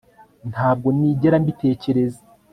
Ntabwo nigera mbitekereza